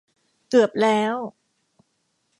เกือบแล้ว